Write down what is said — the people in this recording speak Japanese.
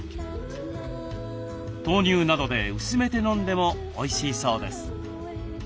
豆乳などで薄めて飲んでもおいしいそうです。